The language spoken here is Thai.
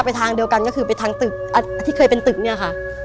ทางเดียวกันก็คือไปทางตึกที่เคยเป็นตึกเนี่ยค่ะ